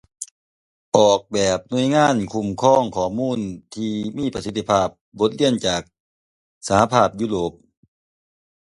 ออกแบบหน่วยงานคุ้มครองข้อมูลที่มีประสิทธิภาพ: บทเรียนจากสหภาพยุโรป